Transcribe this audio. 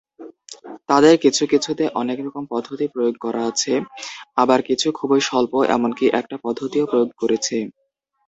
তাদের কিছু কিছুতে অনেক রকম পদ্ধতি প্রয়োগ করা আছে, আবার কিছু খুবই স্বল্প, এমনকি একটা পদ্ধতিও প্রয়োগ করেছে।